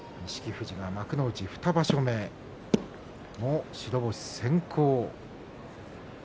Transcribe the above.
富士が幕内２場所目もう白星先行。